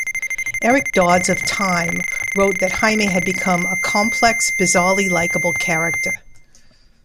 Eric Dodds of "Time" wrote that Jaime had become "a complex, bizarrely likable character".